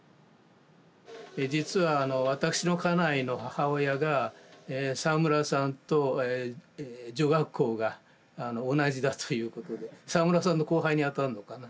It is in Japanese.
実は私の家内の母親がええ沢村さんと女学校が同じだということで沢村さんの後輩にあたるのかな。